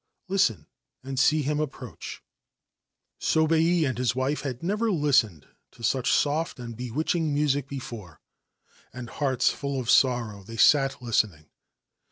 Listen, and see him approach !' Sobei and his wife had never listened to such soft and witching music before, and, hearts full of sorrow, they listening.